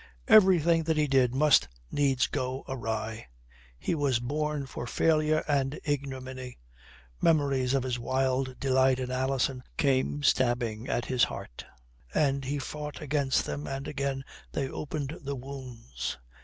Everything that he did must needs go awry. He was born for failure and ignominy. Memories of his wild delight in Alison came stabbing at his heart, and he fought against them, and again they opened the wounds.